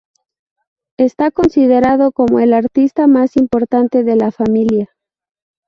Está considerado como el artista más importante de la familia.